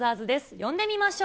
呼んでみましょう。